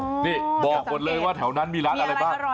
นี่แสบกว่าอยู่ที่ที่สวนนั้นมีร้านอะไรบ้าง